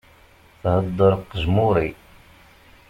Thedder qejmuri!